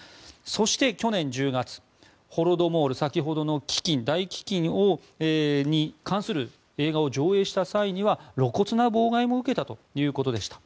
そして、去年１０月ホロドモール先ほどの大飢きんに関する映画を上映した際には露骨な妨害も受けたということでした。